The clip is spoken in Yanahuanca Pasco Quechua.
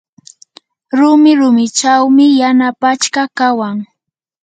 rumi rumichawmi yana pachka kawan.